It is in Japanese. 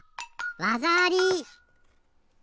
わざあり！